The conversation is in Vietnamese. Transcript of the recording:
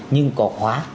nhưng có khóa